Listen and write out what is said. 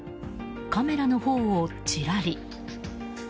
カメラのほうをチラリ。